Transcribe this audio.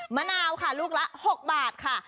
มะนาวค่ะลูกละ๖บาทค่ะ